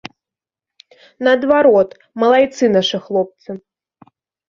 Наадварот, малайцы нашы хлопцы.